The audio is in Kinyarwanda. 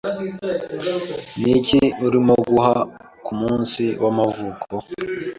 Niki urimo guha kumunsi w'amavuko?